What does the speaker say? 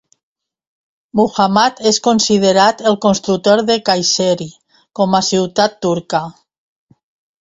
Muhammad és considerat el constructor de Kayseri com a ciutat turca.